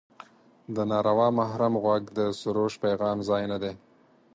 د ناروا محرم غوږ د سروش پیغام ځای نه دی.